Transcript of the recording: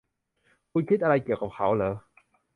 คุณคิดอะไรเกี่ยวกับเขาหรอ